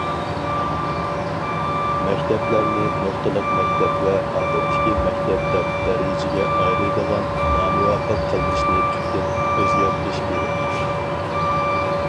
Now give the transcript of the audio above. مەكتەپلەرنى نۇقتىلىق مەكتەپ ۋە ئادەتتىكى مەكتەپ دەپ دەرىجىگە ئايرىيدىغان نامۇۋاپىق قىلمىشنى تۈپتىن ئۆزگەرتىش كېرەك.